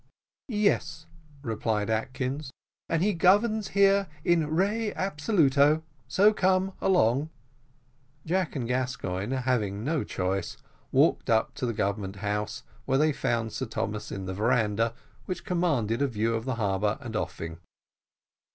"Yes," replied Atkins, "and he governs here in rey absoluto so come along." Jack and Gascoigne, having no choice, walked up to the government house, where they found Sir Thomas in the veranda, which commanded a view of the harbour and offing.